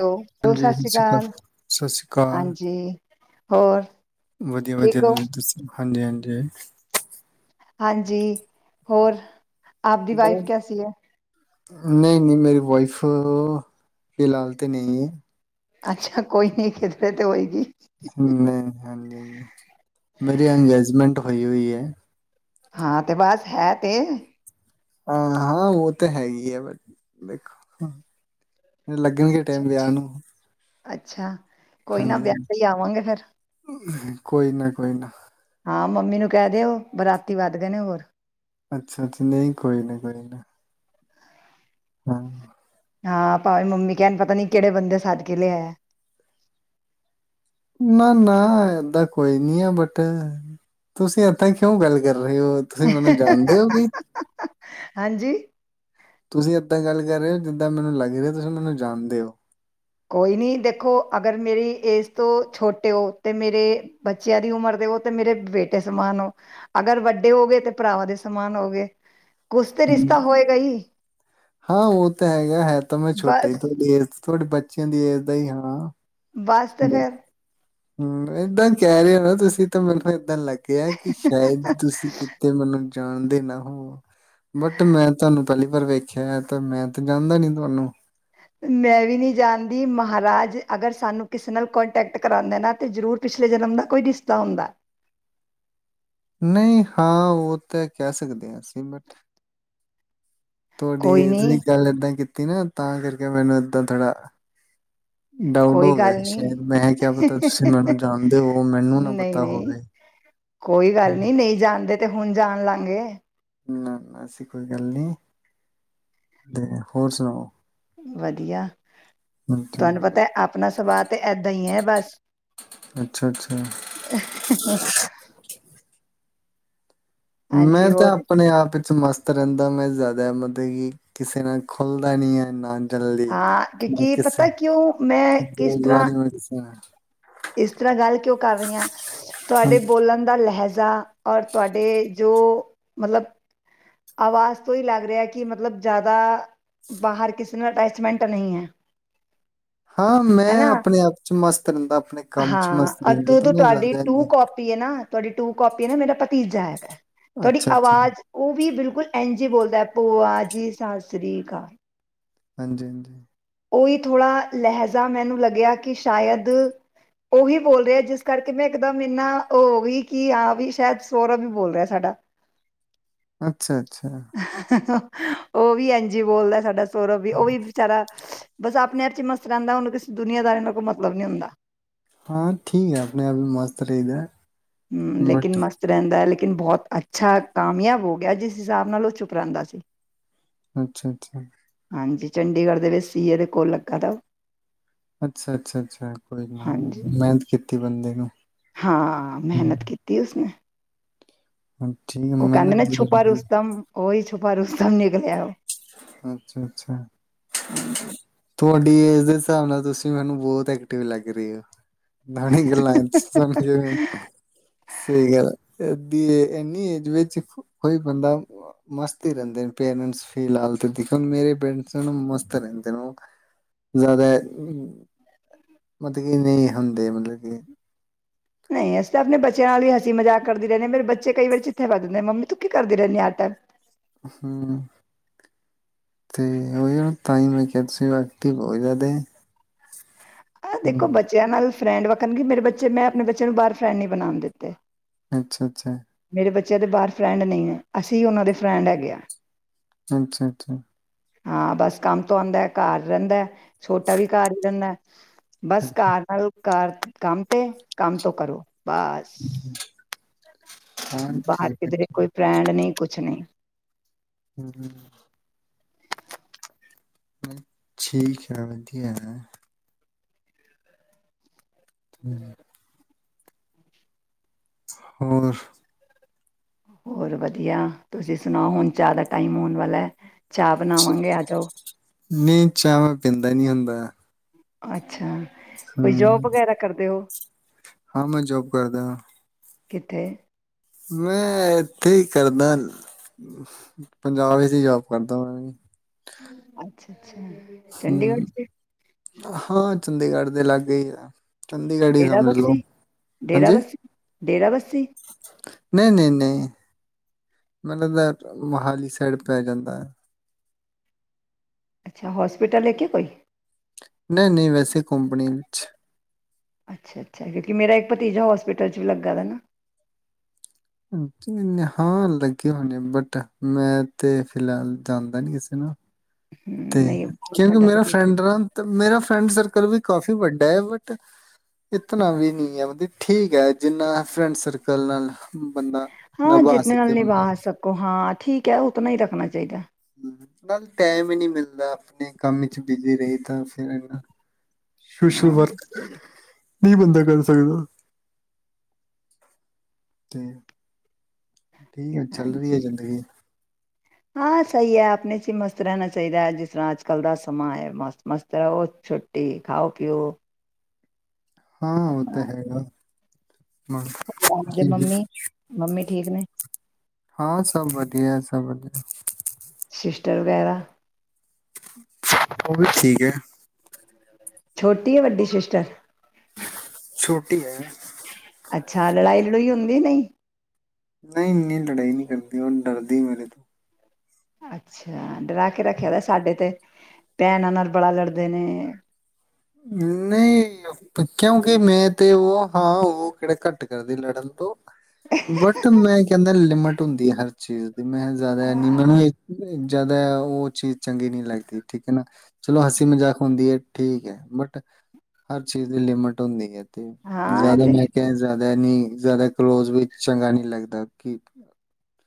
Hello, hello ਹਾਂਜੀ ਸਤਿ ਸ਼੍ਰੀ ਸ੍ਰੀ ਅਕਾਲ ਸਤਿ ਸ਼੍ਰੀ ਅਕਾਲ ਹਾਂਜੀ ਹੋਰ ਵਧੀਆ ਵਧੀਆ ਠੀਕ ਹੋ? ਤੁਸੀਂ ਦੱਸੋ ਹਾਂਜੀ -ਹਾਂਜੀ ਹਾਂਜੀ ਹੋਰ ਆਪ ਦੀ ਵਾਈਫ ਬਸ ਕੈਸੀ ਹੈ। ਨਹੀਂ ਨਹੀਂ ਮੇਰੀ ਵਾਈਫ ਫਿਲਹਾਲ ਤਾਂ ਨਹੀਂ ਹੈ। ਅੱਛਾ ਕੋਈ ਨੀ ਖਿੜ ਪਿੜਤ ਤੇ ਹੋਏਗੀ। ਮੈਂ ਹਾਂਜੀ ਮੇਰੀ ਅੰਗੇਜਮੈਂਟ ਹੋਈ ਹੋਈ ਹੈ। ਹਾਂ ਤੇ ਬਸ ਹੈ। ਤੇ ਹਾਂ- ਹਾਂ ਉਹ ਤਾਂ ਹੈਗੀ ਹੈ। ਬਟ ਦੇਖੋ ਲੱਗਣਗੇ ਅੱਛਾ, ਟਾਈਮ ਵਿਆਹ ਅੱਛਾ, ਨੂੰ ਅੱਛਾ- ਕੋਈ ਨਾ ਹਾਂਜੀ ਵਿਆਹ ਹਾਂਜੀ, ਲਈ ਹੀ ਆਵਾਂਗੇ ਫਿਰ ਕੋਈ ਨਾ ਕੋਈ ਨਾ ਹਾਂ ਮੰਮੀ ਨੂੰ ਕਹਿ ਦਿਓ ਬਰਾਤੀ ਵੱਧ ਗਏ ਹੋਰ ਅੱਛਾ -ਅੱਛਾ ਨਹੀਂ ਕੋਈ ਨਾ ਕੋਈ ਨਾ ਹਾਂ- ਹਾਂ ਭਾਵੇਂ ਮੰਮੀ ਕਹਿਣ ਪਤਾ ਨੀ ਕਿਹੜੇ ਬੰਦੇ ਸਦ ਕੇ ਲਿਆਇਆ। ਨਾ ਨਾ ਏਦਾਂ ਕੋਈ ਨੀ ਆ ਬਟ ਤੁਸੀਂ ਏਦਾਂ ਕਿਉਂ ਗੱਲ ਕਰ ਰਹੇ ਹੋ ਤੁਸੀਂ ਮੈਨੂੰ ਜਾਣਦੇ ਹੋ ਕੀ ਹਾਂਜੀ ਤੁਸੀਂ ਏਦਾਂ ਗੱਲ ਕਰ ਰਹੇ ਹੋ ਜਿੱਦਾਂ ਮੈਨੂੰ ਲੱਗ ਰਿਹਾ ਤੁਸੀਂ ਮੈਨੂੰ ਜਾਣਦੇ ਹੋ। ਕੋਈ ਨਹੀ ਦੇਖੋ ਅਗਰ ਮੇਰੀ ਏਜ ਤੋਂ ਛੋਟੇ ਹੋ ਤੇ ਮੇਰੇ ਬੱਚਿਆਂ ਦੀ ਉਮਰ ਦੇ ਹੋ ਤੇ ਮੇਰੇ ਬੇਟੇ ਸਮਾਨ ਹੋ ਅਗਰ ਵੱਡੇ ਹੋ ਗਏ ਤਾਂ ਭਰਾਵਾਂ ਦੇ ਸਮਾਨ ਹੋ ਗਏ ਕੁਛ ਤੇ ਹ ਰਿਸ਼ਤਾ ਹੋਏਗਾ ਹੀ ਹਾਂ ਉਹ ਤਾਂ ਹੈਗਾ ਹੈ। ਤਾਂ ਮੈਂ ਛੋਟਾ ਬਸ ਬੇ ਬੱਚਿਆਂ ਦੀ ਏਜ ਦਾ ਹੀ ਹਾਂ ਬਸ ਤੇ ਫੇਰ। ਹਮ ਏਦਾਂ ਕਹਿ ਰਹੇ ਹੋ ਨਾ ਤੁਸੀਂ ਤਾਂ ਮੈਨੂੰ ਪਤਾ ਲੱਗਿਆ ਕਿ ਸ਼ਾਇਦ ਤੁਸੀਂ ਕਿਤੇ ਮੈਨੂੰ ਜਾਣਦੇ ਨਾ ਹੋ ਬਟ ਮੈਂ ਤੁਹਾਨੂੰ ਪਹਿਲੀ ਵਾਰ ਵੇਖਿਆ ਏ ਤੇ ਮੈਂ ਤਾਂ ਜਾਣਦਾ ਨੀ ਤੁਹਾਨੂੰ। ਮੈਂ ਵੀ ਨਹੀਂ ਜਾਣਦੀ ਮਹਾਰਾਜ ਅਗਰ ਸਾਨੂੰ ਕਿਸੇ ਨਾਲ ਕੰਟੈਕਟ ਕਰਾਂਦਾ ਨਾ ਤਾਂ ਜ਼ਰੂਰ ਪਿਛਲੇ ਜਨਮ ਦਾ ਕੋਈ ਰਿਸ਼ਤਾ ਹੁੰਦਾ। ਨਹੀਂ ਹਾਂ ਉਹ ਤਾਂ ਕਹਿ ਸਕਦੇ ਹਾਂ ਅਸੀ ਬਟ ਤੁਹਾਡੀ ਕੋਈ ਤੁਸੀ ਨਹੀਂ ਗੱਲ ਏਦਾਂ ਕੀਤੀ ਤੀ ਨਾ ਤਾਂ ਕਰਕੇ ਮੈਨੂੰ ਏਦਾਂ ਥੋੜ੍ਹਾ ਡਾਊਟ ਕੋਈ ਹੋ ਗਿਆ ਗੱਲ ਨਹੀਂ ਸ਼ਾਇਦ ਮੈਂ ਕਿਆ ਪਤਾ ਤੁਸੀਂ ਮੈਨੂੰ ਜਾਣਦੇ ਹੋ ਮੈਨੂੰ ਨਾ ਨਹੀਂ ਪਤਾ ਨਹੀਂ ਹੋਵੇ। ਕੋਈ ਗੱਲ ਨੀ ਨਹੀਂ ਜਾਣਦੇ ਤੇ ਹੁਣ ਜਾਣ ਲਾਂਗੇ। ਨਾ ਨਾ ਐਸੀ ਕੋਈ ਗੱਲ ਨੀ ਤੇ ਹੋਰ ਸੁਣਾਓ। ਵਧੀਆ ਅੱਛਾ ਤੁਹਾਨੂੰ ਪਤਾ ਆਪਣਾ ਸੁਭਾਅ ਤੇ ਏਦਾਂ ਹੀ ਹੈ। ਬਸ ਅੱਛਾ ਅੱਛਾ। ਮੈਂ ਹਾਂਜੀ ਉਹ ਤਾਂ ਆਪਣੇ ਆਪ ਵਿਚ ਮਸਤ ਤ ਰਹਿੰਦਾ ਮੈਂ ਜ਼ਿਆਦਾ ਮਤਲਬ ਕਿ ਕਿਸੇ ਨਾਲ ਖੁੱਲਦਾ ਨਹੀਂ ਐਨਾ। ਜਲਦੀ ਹਾਂ ਮੈਂ ਕਿਉਂਕਿ ਕਿਸੇ ਪਤਾ ਕਿਉਂ ਮੈਂ ਕਿਸ ਬੋਲਦਾ ਤਰ੍ਹਾਂ ਨੀ ਮੈਂ ਕਿਸੇ ਨਾਲ। ਇਸ ਤਰ੍ਹਾਂ ਗੱਲ ਕਿਉਂ ਕਰ ਰਹੀ ਹਾਂ ਤੁਹਾਡੇ ਹਾਂਜੀ। ਬੋਲਣ ਦਾ ਲਹਿਜਾ ਜਾ ਔਰ ਤੁਹਾਡੇ ਜੋ ਮਤਲਬ ਆਵਾਜ਼ ਤੋਂ ਹੀ ਲੱਗ ਰਿਹਾ ਕਿ ਮਤਲਬ ਜ਼ਿਆਦਾ ਬਾਹਰ ਕਿਸੇ ਨਾਲ ਅਟੈਚਮੈਂਟ ਨਹੀਂ ਹੈ। ਹਾਂ ਮੈਂ ਹਨਾ ਆਪਣੇ ਆਪ ਚ ਮਸਤ ਰਹਿੰਦਾ ਆਪਣੇ ਕੰਮ ਚ ਹਾਂ ਮਸਤ ਔਰ ਰਹਿੰਦਾ ਤੇ ਜਦੋਂ ਮੈਂ ਤੁਹਾਡੀ ਜ਼ਿਆਦਾ ਟੂ ਨੀ ਕਾਪੀ ਹੈ ਨਾ ਤੁਹਾਡੀ ਟੂ ਕਾਪੀ ਏ ਨਾ ਮੇਰਾ ਭਤੀਜਾ ਹੈਗਾ। ਤੁਹਾਡੀ ਅੱਛਾ ਅੱਛਾ ਆਵਾਜ਼ ਉਹ ਵੀ ਬਿਲਕੁਲ ਐਂਜ ਜੀ ਬੋਲਦਾ ਐ ਭੂਆ ਜੀ ਸਤਿ ਸ੍ਰੀ ਅਕਾਲ। ਹਾਂਜੀ ਹਾਂਜੀ। ਉਹੀ ਥੋੜ੍ਹਾ ਲਹਿਜਾ ਮੈਨੂੰ ਲੱਗਿਆ ਕਿ ਸ਼ਾਇਦ ਉਹੀ ਬੋਲ ਰਿਹਾ ਜਿਸ ਕਰਕੇ ਮੈਂ ਇਕਦਮ ਇੰਨਾ ਉਹ ਹੋ ਗਈ ਕਿ ਆਂ ਵੀ ਸ਼ਾਇਦ ਸੋੌਰਵ ਹੀ ਬੋਲ ਰਿਹਾ ਸਾਡਾ। ਅੱਛਾ। ਅੱਛਾ [inaudible] ਉਹ ਵੀ ਇੰਝੀ ਬੋਲਦਾ ਸਾਡਾ ਸ ਸੋਰਵ ਵੀ ਉਹ ਵੀ ਵਿਚਾਰਾ ਬਸ ਆਪਣੇ ਆਪ ਚ ਹੀ ਮਸਤ ਰਹਿੰਦਾ ਉਹਨੂੰ ਕਿਸੇ ਦੁਨੀਆਂਦਾਰੀਂ ਨਾਲ ਕੋਈ ਮਤਲਬ ਨਹੀਂ ਹੁੰਦਾ ਹਾਂ ਠੀਕ ਹੈ ਆਪਣੇ ਆਪ ਵੀ ਮਸਤ ਰਹੀਦਾ ਹੈ ਹਮ ਲੇਕਿਨ ਮਸਤ ਰਹਿੰਦਾ ਲੇਕਿਨ ਬਹੁਤ ਅੱਛਾ ਕਾਮਯਾਬ ਹੋ ਗਿਆ ਜਿਸ ਹਿਸਾਬ ਨਾਲ ਉਹ ਚੁੱਪ ਰਹਿੰਦਾ ਸੀ ਅੱਛਾ ਅੱਛਾ ਹਾਂਜੀ ਚੰਡੀਗੜ੍ਹ ਦੇ ਵਿੱਚ ਸੀਏਦੇ ਕੋਲ ਲੱਗਾ ਦਾ ਉਹ ਅੱਛਾ-ਅੱਛਾ-ਅੱਛਾ ਕੋਈ ਨਾ ਹਾਂਜੀ ਮਿਹਨਤ ਕੀਤੀ ਬੰਦੇ ਨੂੰ। ਹਾਂ ਮਿਹਨਤ ਕੀਤੀ ਉਸ ਕ ਹਾਂ, ਠੀਕ ਹੈ ਉਹ ਕਹਿੰਦੇ ਮਿਹਨਤ ਨਾ ਛੁਪਾ ਜ਼ਰੂਰੀ ਰੁਸਤੋਮ ਉਹੀ ਛੁਪਾ ਰੁਸਤਮ ਨਿਕਲਿਆ ਓ। ਅੱਛਾ, ਅੱਛਾ ਹਾਂਜੀ। ਤੁਹਾਡੀ ਏਜ ਦੇ ਹਿਸਾਬ ਨਾਲ ਤੁਸੀਂ ਮੈਨੂੰ ਬਹੁਤ ਐਕਟਿਵ ਲੱਗ ਰਹੇ ਹੋ। [unintelligible] ਸਹੀ ਗੱਲ ਅੱ ਇਨੀ ਏਜ ਵਿੱਚ ਕੋਈ ਬੰਦਾ ਮਸਤ ਹੀ ਰਹਿੰਦੇ, ਪੇਰੈਂਟਸ ਫਿਲਹਾਲ ਤੇ, ਮੇਰੇ ਪੇਰੈਂਟਸਮਸਤ ਰਹਿੰਦੇ ਨੇ ਉਹ। ਜ਼ਦਾ। ਮਤਲਬ ਕਿ ਨਹੀਂ ਹੁੰਦੇ ਮਤਲਬ ਕਿ ਨਹੀਂ ਅਸੀ ਤੇ ਆਪਣੇ ਬੱਚਿਆਂ ਨਾਲ ਵੀ ਹਸੀ ਮਜ਼ਾਕ ਕਰਦੀ ਰਹਿੰਨੀ, ਮੇਰੇ ਬੱਚੇ ਕਈ ਵਾਰੀ ਚਿੱਥੇ ਫਰ ਦਿੰਦੇ ਮੰਮੀ ਤੂੰ ਕੀ ਕਰਦੀ ਰਹਿੰਦੀ ਆ ਤ ਹਮ ਤੇ ਉਹੀ ਤਾਂ ਹੀ ਮੈਂ ਕਿਹਾ ਤੁ ਸੀ ਐਕਟਿਵ ਹੋ ਇੱਦਾ ਤੇ। ਆਹ ਦੇਖੋ ਬੱਚਿਆਂ ਨਾਲ ਫਰੈਂਡ ਵਾਕਣ, ਮੇਰੇ ਬੱਚੇ ਮੈਂ ਆਪਣੇ ਬੱਚੇ ਨੂੰ ਬਾਹਰ ਫਰੈਂਡ ਨੀ ਬਨਾਣ ਦਿੱਤੇ। ਅੱਛਾ-ਅੱਛਾ। ਮੇਰੇ ਬੱਚਿਆਂ ਦੇ ਬਾਹਰ ਫਰੈਂਡ ਨਹੀਂ ਹੈ, ਅਸੀਂ ਉਹਨਾਂ ਦੇ ਫਰੈਂਡ ਹੈਗੇ ਆ। ਅੱਛਾ-ਅੱਛਾ। ਹਾਂ ਬਸ ਕੰਮ ਤੋਂ ਆਂਦਾ ਕਰ ਰਹਿੰਦਾ। ਛੋਟਾ ਵੀ ਕਾਰ ਹੀ ਰੇਂਦਾ ਲ, ਬਸ ਕਾਰ ਨਾਲ ਕਾਰ ਕੰਮ ਤੇ, ਕੰਮ ਤੋਂ ਕਰੋ। ਬਸ ਬਾਹਰ ਕਿਧਰੇ ਕੋਈ ਫਰੈਂਡ ਨਹੀਂ ਕੁਛ ਨਹੀਂ। ਹ ਠੀਕ ਆ ਵਧੀਆ ਐ। ਹੁੰ। ਹੋਰ? ਹੋਰ ਵਧੀਆ ਤੁਸੀਂ ਸੁਣਾਓ, ਹੁਣ ਚਾਹ ਦਾ ਟਾਈਮ ਹੋਣ ਵਾਲਾ ਹੈ। ਚਾਹ ਬਣਾਵਾਂਗੇ ਆ ਜਾਓ ਨਹੀਂ ਚਾ ਪੀਂਦਾ ਦਾ ਨਹੀਂ ਹੁੰਦਾ। ਅੱਛਾ। ਕੋਈ ਜੋਬ ਹਾਂ, ਵਗੈਰਾ ਕਰਦੇ ਹੋ? ਹਾਂ ਮੈਂ ਜੋਬ ਕਰਦਾ ਹਾਂ। ਕਿਥੇ? ਮੈਂ ਇੱਥੇ ਹੀ ਕਰਦਾ ਪੰਜਾਬ ਵਿੱਚ ਹੀ ਜੋਬ ਕਰਦਾ ਮ ਵੀ। ਅੱਛਾ। ਅੱਛਾ ਹਮ ਚੰਡੀਗੜ੍ਹ ਚ ਹਾਂ ਚੰਡੀਗੜ੍ਹ? ਦੇ ਲਾਗੇ ਹੀ ਹ। ਚੰਡੀਗੜ੍ਹ ਹੀ ਡੇਰਾ ਸਮਝ ਲਓ ਬੱਸੀ ਡੇਰਾ ਹਾਂਜੀ। ਬੱਸੀ ਡੇਰਾ ਵਸ ਨਹੀਂ ਨਹੀਂ ਨਹੀਂ ਮੈਨੂੰ ਦਾ ਮੋਹਾਲੀ ਸਾਈਡ ਪੈ ਜਾਂਦਾ ਹੈ। ਅੱਛਾ ਹੋਸਪਿਟਲ ਹੈ ਕੋਈ ਨਹੀਂ ਨਹੀਂ ਵੈਸੇ ਕੰਪਨੀ ਵਿੱਚ ਅੱਛਾ ਅੱਛਾ ਕਿਉਂਕਿ ਮੇਰਾ ਇੱਕ ਭਤੀਜਾ ਹੋਸਪਿਟਲ 'ਚ ਵੀ ਲੱਗਾ ਹੈ ਨਾ ਹਾਂ ਲੱਗੇ ਹੋਣੇ ਬਟ ਮੈਂ ਤੇ ਫਿਲਹਾਲ ਜਾਂਦਾ ਨੀ ਕਿਸੇ ਨੂੰ ਹਮ, ਤੇ ਨਹੀਂ ਕਿਉਂਕਿ ਸਾਡਾ ਮੇਰਾ ਭਤੀਜਾ ਫਰੈਂਡ ਮੇਰਾ ਫਰੈਂਡ ਸਰਕਲ ਵੀ ਕਾਫੀ ਵੱਡਾ ਹੈ ਬ ਇਤਨਾ ਵੀ ਨੀ ਹੈ ਮਤਲਬ ਠੀਕ ਹੈ। ਜਿੰਨਾ ਫਰੈਂਡ ਸਰਕਲ ਨਾਲ ਬੰਦਾ ਹਾਂ ਨਿਭਾ ਜਿਤਨੇ ਸਕੇ ਨਾਲ ਉਹਨਾ ਨਿਭਾ ਸਕੋ ਹਾਂ ਠੀਕ ਹੈ ਉਹ ਤਾਂ ਨਾਲ ਹੀ ਰੱਖਣਾ ਚਾਹੀਦਾ। ਨਾਲ ਟਾਈਮ ਨਹੀਂ ਮਿਲਦਾ ਆਪਣੇ ਕੰਮ ਚ ਬਿਜੀ ਰਹੀ ਤਾਂ ਫਿਰਨ ਈਨਾ ਸੋਸ਼ਲ ਹਾਂ ਵਰਕ ਸਹੀ ਹੈ, ਨਹੀਂ ਬੰਦਾ ਕਰ ਸਕਦਾ ਤੇ ਠੀਕ ਆ ਚੱਲ ਰਹੀ ਹੈ ਹਾਂਜੀ ਜ਼ਿੰਦਗੀ ਹਾਂ ਸਹੀ ਹੈ ਆਪਣੇ ' ਹੀ ਮਸਤ ਰਹਿਣਾ ਚਾਹੀਦਾ ਹੈ ਜਿਸ ਤਰ੍ਹਾਂ ਅੱਜ ਕੱਲ੍ਹ ਦਾ ਸਮਾਂ ਹੈ ਮਸਤ ਮਸਤ ਰਹੋ ਛੁੱਟੀ ਖਾਓ ਪੀਓ ਹਾਂ ਉਹ ਆਪਣਾ ਤਾਂ ਹੈਗਾ। ਹੋਰ ਆਪਦੇ ਠ ਮੰਮੀ ਮੰਮੀ ਠੀਕ ਨੇ ਹਾਂ ਸਭ ਵਧੀਆ ਸਭ ਵਧੀਆ ਸੀਸਟਰ ਵਗੈਰਾ ਉਹ ਵੀ ਠੀਕ ਹੈ। ਛੋਟੀ ਹੈ ਵੱਡੀ ਸਿਸਟਰ ਛੋਟੀ ਹੈ। ਅੱਛਾ ਲੜਾਈ ਲੜੂਈ ਹੁੰਦੀ ਨਹੀਂ। ਨਹੀਂ ਇੰਨੀ ਲੜਾਈ ਨਹੀਂ ਕਰਦੀ ਔਰ ਡਰਦੀ ਮੇਰੇ ਤੋਂ ਅੱਛਾ ਡਣਾ ਕੇ ਰੱਖਿਆ ਤਾਂ ਸਾਡੇ ਤੇ ਭੈਣ ਆ ਨਾਲ ਬੜਾ ਲੜਦੇ ਨੇ ਨਹੀਂ ਕਿਉਂਕਿ ਮੈਂ ਤੇ ਉਹ ਹਾਂ ਉਹ ਕਿਹੜਾ ਘੱਟ ਕਰਦੀ ਲੜਨ ਤੇ ਬਟ ਮੈਂ ਕ ਅਦਰ ਲਿਮਿਟ ਹੁੰਦੀ ਹੈ ਹਰ ਚੀਜ਼ ਤੇ ਮੈਂ ਜ਼ਿਆਦਾ ਨੀ ਮੈ ਹਾਂ, ਜ਼ਿਆਦਾ ਉਹ ਚੀਜ਼ ਚੰਗੀ ਨਹੀਂ ਲਗਦੀ ਲੱਗਦੀ ਠੀਕ ਹੈ। ਨਾ ਚਲੋ ਹਸੀ ਮਜ਼ਾਕ ਹੁੰਦੀ ਹੈ ਠੀਕ ਹੈ। ਬਟ ਹਰ ਚੀਜ਼ ਦੀ ਲਿਮਿਟ ਹੁੰਦੀ ਹੈ। ਤੇ ਹਾਂ ਇਹ ਜ਼ਿਆਦਾ ਤੇ ਹੈ ਮਹਿ ਕਿਹਾ ਜ ਹੈ ਨੀ ਜ਼ਿਆਦਾ ਕਲੋਜ ਵੀ ਚੰਗਾ ਨਹੀਂ ਲੱਗਦਾ ਕਿ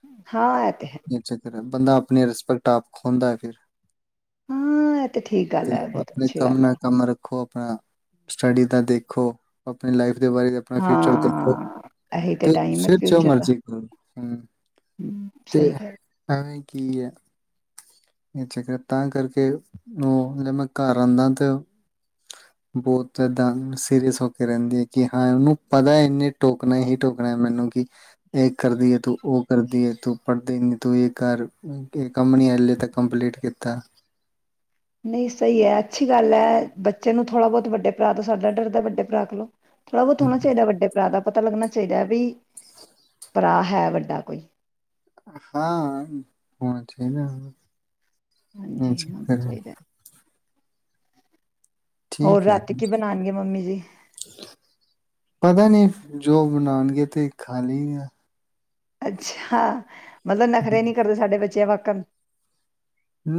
[inaudible] ਹਾਂ ਆ ਤੇ ਹੈ ਇਹ ਚੱਕਰ ਬੰਦਾ ਆਪਣੀ ਰਿਸਪੈਕਟ ਆਪ ਖੋਂਦਾ ਫਿਰ ਹਾਂ ਇਹ ਤੇ ਠੀਕ ਗੱਲ ਤੇ ਹੈ ਬਹੁਤ ਆਪਣੇ ਅੱਛੀ ਕੰਮ ਗੱਲ ਹੈ ਨਾ ਕੰਮ ਰੱਖੋ ਆਪਣਾ ਸਟੱਡੀ ਦਾ ਦੇਖੋ ਆਪਣੀ ਲਾਈਫ ਉਸਦੇ ਬਾਰੇ ਆਪਣਾ ਫਿਊਚਰ ਦੇਖੋ ਹਾਂ ਇਹੀ ਤੇ ਟਾਈਮ ਹੈ ਫਿਰ ਜੋ ਫਿਊਚਰ ਦਾ ਮਰਜੀੀ ਕਰੂ ਹਮ ਹਮ, ਤੇ ਸਹੀ ਗੱਲ ਹਂ ਕੀ ਹੈ ਇਹ ਚੱਕ ਤਾਂ ਕਰਕੇ ਉਹ ਜ ਮੈਂ ਘਰ ਆਉਂਦਾ ਤੇ ਬਹੁਤ ਏਦਾਂ ਸੀਰੀਅਸ ਹੋ ਕੇ ਰਹਿੰਦੀ ਹੈ ਕਿ ਹਾਂ ਉਹਨੂੰ ਪਤਾ ਇੰਨੇ ਟੋਕਣਾ ਹੀ ਟੋਕਣਾ ਹੈ ਮੈਨੂੰ ਕਿ ਇਹ ਕਰਦੀ ਹੈ ਤੂੰ ਉਹ ਕਰਦੀ ਹੈ ਤੂੰ ਪੜ੍ਹਦੀਨੀ ਤੂੰ ਇਹ ਕਰਰ ਕੰਨੀ ਐੱਲ ਤ ਕੰਪਲੀਟ ਕੀਤਾ ਕੀਤਾ ਨਹੀਂ ਸਹੀ ਹੈ ਅੱਛੀ ਗੱਲ ਹੈ ਬੱਚੇ ਨੂੰ ਥੋੜ੍ਹਾ ਬਹੁਤ ਵੱਡੇ ਭਰਾ ਤੋਂ ਸਾਡਾ ਡਰਦਾ ਵੱਡੇ ਭਰਾ ਕਲੋ ਥੜ੍ਹ ਬਹੁਤ ਹੋਣਾ ਚਹੀਦਾ ਵੱੇ ਭਰਾ ਦਾ ਪਤਾ ਲੱਗਣਾ ਚਾਹੀਦਾ ਵੀ ਭਰਾ ਹੈ ਵੱਡਾ ਕੋਈ ਹਾਂ ਹੁਛ ਨਾ ਹਾਂਜੀ ਹੋਣਾ ਚਾਹੀਦਾ ਹੋਰ ਠੀਕ ਹੈ ਰਾਤੀ ਕੀ ਬਣਾਉਣਗੇ ਮੰਮੀ ਜੀ ਪਤਾ ਨੀ ਜੋ ਬਣਾਉਣਗੇ ਤਾਂ ਖਾਲੀ ਆ ਆ ਅੱਛਾ ਮਤਲਬ ਨਖਰੇ ਨੀ ਕਰਦੇ ਸਾਡੇ ਬੱਚੇ ਜ ਵਕਮ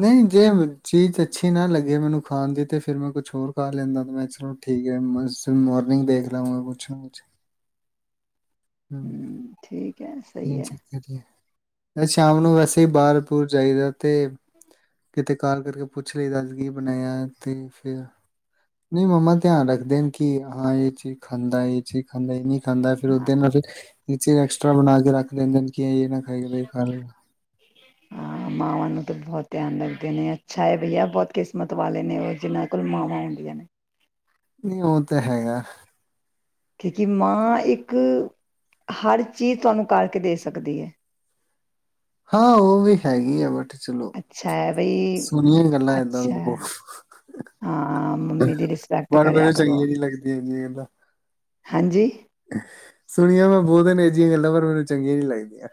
ਨਹੀਂ ਜੇ ਚੀਜ਼ ਅੱਛੀ ਨਾ ਲੱਗੇ ਮੈਨੂੰ ਖਾਣ ਦੀ ਤੇ ਫਿਰ ਮੈਂ ਕੁਛ ਹੋਰ ਖਾ ਲੈਂਦਾ ਮੈਂ ਚਲੋ ਠੀਕ ਹੈ ਮ ਮੋਰਨਿੰਗ ਦੇਖ ਲਵਾਂਗਾ ਕੁਛ ਨਾ ਕੁਛ ਹੂੰ, ਹਮ ਠੀਕ ਹੈ ਸਹੀ ਇਹ ਹੈ ਚੱਕਰ ਹੀ ਸ਼ਾਮ ਨੂੰ ਵੈਸੇ ਹੀ ਬਾਹਰ ਬਰ ਜਾਈਦਾ ਤੇ ਕਿਤੇ ਕਾਲ ਕਰਕੇ ਪੁੱਛ ਲਈ ਦਸੀ ਕੀ ਬਣਾਇਆ ਤੇ ਫਿਰ ਨਹੀਂ ਮੰਮਾ ਧਿਆਨ ਰੱਖਦੇ ਨੇ ਕਿ ਹਾਂ ਇਹ ਚੀਜ਼ ਖਾਂਦਾ ਇਹ ਚੀਜ਼ ਖਾਂਦਾ ਹੀ ਨਹੀਂ ਖਾਂਦਾ ਫਿਰਰ ਇਹ ਚੀਜ਼ ਐਕਸਟ੍ਰਾ ਬਣਾ ਕੇ ਰੱਖ ਲੈਂਦੇ ਨੇ ਕਿ ਆ ਇਹ ਨਾ ਖਾਏਗਾ ਤੇ ਇਹ ਖਾ ਲਏਗਾ। ਹਾਂ ਮਾਵਾਂ ਨੂੰ ਬਹੁਤ ਧਿਆਨ ਰੱਖਦੇ ਨੇ ਅੱਛਾ ਹੈ ਬਈਆ ਬਹੁਤ ਕਿਸਮਤ ਵਾਲੇ ਨੇ ਉਹ ਜਿਹਨਾਂ ਕੋਲ ਮਾਵਾਂ ਹੁੰਦੀਆਂ ਨੇ ਨਹੀਂ ਉਹ ਤਾਂ ਹੈਗਾ ਕਿਉੰਕਿ ਮਾਂ ਇੱਕ ਹਰ ਚੀਜ਼ ਤੁਹਾਨੂੰ ਕਰਕੇ ਦੇ ਸਕਦੀ ਹੈ ਹਾਂ ਉਹ ਵੀ ਹੈਗੀ ਆ ਬਟ ਚਲੋ ਅੱਛਾ ਹੈ ਬਈ, ਸੋਹਣੀਆਂ ਗੱਲਾਂ ਏਦਾਂ ਅੱਛਾ ਹੈ। ਹਾਂ, ਮੰਮੀ ਦੀ ਰਿਸਪੈਕਟ ਕਰਿਆ ਮੈਨੂੰ ਕਰੋ। ਚੰਗੀਆਂ ਨੀ ਲੱਗਦੀਆਂ ਦੀ ਗੱਲਾਂ ਹਾਂਜੀ ਸੁਣੀਆਂ ਮੈਂ ਬਹੁਤ ਨੇ ਜੀ ਗੱਲਾਂ ਪਰ ਮੈਨੂੰ ਚੰਗੀਆਂ ਨਹੀਂ ਲੱਗਦੀਆਂ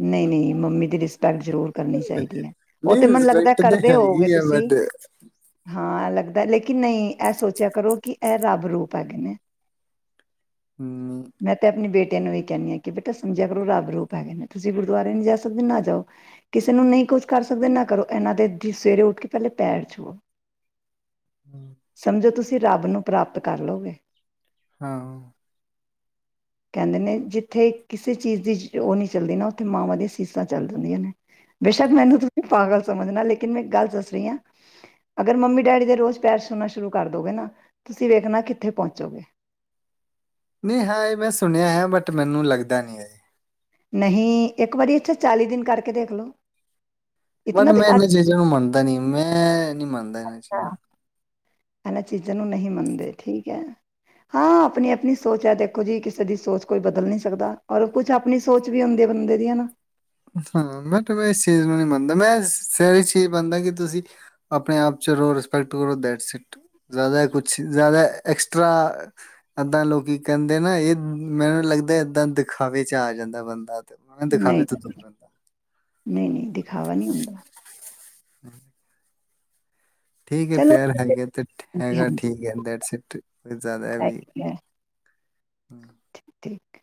ਨਹੀਂ-ਨਹੀਂ, ਮੰਮੀ ਦੀ ਰਿਸਪੈਕਟ ਜ਼ਰੂਰ ਕਰਨੀ ਚਾਹੀਦੀ ਹੈ ਉਹ ਨਹੀਂ ਤੇ ਮੈਨੂੰ ਲੱਗਦਾ ਰਿਸਪੈਕਟ ਤੇ ਕਰਦੇ ਹੋਵੋਂਗੇ ਹੈਗੀ ਆ ਤੁਸੀਂ ਬਟ ਹਾਂ ਲੱਗਦਾ ਲੇਕਿਨ ਕਿ ਨਹੀਂ ਇਹ ਸੋਚਿਆ ਕਰੋ ਕਿ ਇਹ ਰੱਬ ਰੂਪ ਹੈ ਕਿੰਨੇ ਹਮ ਮੈਂ ਤੇ ਆਪਣੀ ਬੇਟੀ ਤੈਨੂੰ ਇਹ ਕਹਿੰਦੀ ਕਿ ਬੇਟਾ ਸਮਝਿਆ ਕਰੋ ਰੱਬ ਰੂਪ ਹੈਗੇ ਨੇ ਤੁਸੀਂ ਗੁਰਦੁਆਰੇ ਨਹੀਂ ਜਾ ਸਕਦੇ ਨਾ ਜਾਓ ਕਿਸੇ ਨੂੰ ਨਹੀਂ ਕੁਝ ਕਰ ਸਕਦੇ ਨਾ ਕਰੋ ਇਹਨਾਂ ਦੇ ਸਵੇਰੇ ਉੱਠ ਕੇ ਪਹਿਲੇ ਪੈਰ ਛੂ ਸਮਝੇ ਤੁਸੀਂ ਤੁਸੀਂ ਰੱਬ ਨੂੰ ਪ੍ਰਾਪਤ ਕਰ ਲੋਗੇ ਹਾਂ ਕਹਿੰਦੇ ਨੇ ਜਿੱਥੇ ਕਿਸੇ ਚੀਜ਼ ਦੀ ਉਹ ਨਹੀਂ ਚਲਦੀ ਨਾ ਉੱਥੇ ਮਾਵਾਂ ਦੀਆਂ ਸੀਸਾਂ ਚੱਲ ਜਾਂਦੀਆਂ ਨੇ ਬੇਸ਼ੱਕ ਮੈਨੂੰ ਤੁਸੀਂ ਪਾਗਲ ਸਮਝਣਾ ਲੇਕਿਨ ਮੈਂ ਗੱਲ ਦੱਸ ਰਹੀ ਹਾਂ ਅਗਰ ਮੰਮੀ ਡੈਡੀ ਦੇ ਰੋਜ਼ ਪੈਰ ਛੂਨਾ ਸ਼ੁਰੂ ਕਰ ਦੋਗੇ ਨਾ ਤੁਸੀਂ ਵੇਖਣਾ ਕਿੱਥੇ ਪਹੁੰਚੋਗੇ ਨਹੀਂ ਹਾਂ ਇਹ ਮੈਂ ਸੁਣਿਆ ਹੈ ਬਟ ਮੈਨੂੰ ਲੱਗਦਾ ਨੀ ਹੈ ਨਹੀਂ ਇੱਕ ਵਾਰੀ ਇੱਥਾ ਚਾਲੀ ਦਿਨ ਕਰਕੇ ਦੇਖ ਲਓ ਬਟ ਇਤਨਾ ਤੇ ਮੈਂ ਘੱਟ ਇਹਨਾਂ ਚੀਜ਼ਾਂ ਨੂੰ ਮੰਨਦਾ ਨੀ ਮੈਂ ਮੈਂ ਨੀ ਮੰਨਦਾ ਇਹਨਾਂ ਹੈ, ਚੀਜਾਂ ਨੀ ਇਹਨਾਂ ਚੀਜ਼ਾਂ ਨੂੰ ਨਹੀਂ ਮੰਨਦੇ ਠੀਕ ਹੈ ਹਾਂ ਆਪਣੀ ਆਪਣੀ ਸੋਚ ਹੈ ਦੇਖੋ ਜੀ ਕਿਸੇ ਦੀ ਸੋਚ ਕੋਈ ਬਦਲ ਨੀ ਸਕਦਾ ਔਰ ਕੁਛ ਆਪਣੀ ਸੋਚ ਵੀ ਹੁੰਦੀ ਬੰਦੇ ਦੀ ਹੈ ਨਾ ਹਾਂ ਮੈਂਟ ਮੈਂ ਇਸ ਚੀਜ਼ ਨੂੰ ਨੀ ਮੰਨਦਾ ਮੈਂ ਸਾਰੀ ਚੀਜ਼ ਮੰਨਦਾ ਕਿ ਤੁਸੀਂ ਆਪਣੇ ਆਪ ਚ ਰਹੋ ਰਿਸਪੈਕਟ ਕਰੋ ਦੇਟ ਸਿਟ ਜ਼ਿਆਦਾ ਕੁਛ ਜ਼ਿਆਦਾ ਐਕਸਟਰਾ ਏਦਾਂ ਲੋਕੀ ਕਹਿੰਦੇ ਨਾ ਇਹ ਮੈਨੂੰ ਲੱਗਦਾ ਏਦਾਂ ਦਿਖਾਵੇ ਚ ਆ ਜਾਂਦਾ ਬੰਦਾ ਤੇ ਉਹ ਦਿਖਾਵੇ ਨਹੀਂ ਤ ਦੂੰ [inaudible] ਨਹੀਂ ਨਹੀਂ ਦਿਖਾਵਾ ਨਹੀਂ ਹੁੰਦਾ [inaudible] ਠੀਕ ਹੈ ਚਲੋ ਪਿਆਰ ਹੈਗੇ ਤੇ ਹਾਂਜੀ ਹੈਗਾ ਠੀਕ ਹੈ ਡੇਟ ਸਿਟ ਜ਼ਿਆਦਾ ਵੀ ਹਾਂਜੀ ਠੀਕ